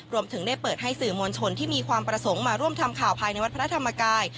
รวมถึงได้เปิดให้สื่อมวลชนที่มีความประสงค์มาร่วมทำข่าวภายในวัดพระธรรมกาย